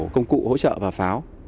công cụ hỗ trợ và pháo